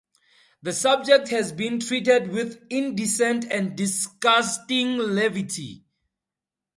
The subject has been treated with indecent and disgusting levity.